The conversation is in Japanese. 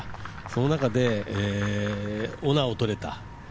その中で、オナーをとれた。